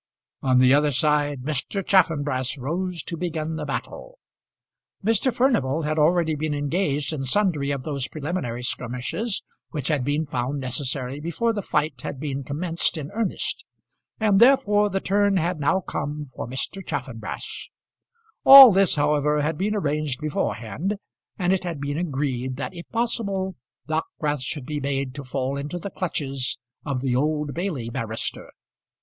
On the other side Mr. Chaffanbrass rose to begin the battle. Mr. Furnival had already been engaged in sundry of those preliminary skirmishes which had been found necessary before the fight had been commenced in earnest, and therefore the turn had now come for Mr. Chaffanbrass. All this, however, had been arranged beforehand, and it had been agreed that if possible Dockwrath should be made to fall into the clutches of the Old Bailey barrister.